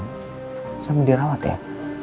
bisa di rawat ya